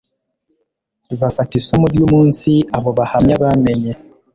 bafata isomo ry umunsi abo bahamya bamenye